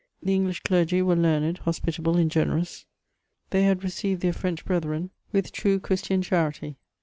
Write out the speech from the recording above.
The English clergy were learned, hospitable, and generous ; they had received their French brethren with true Christian charity.